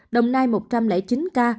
đồng nai một chín ca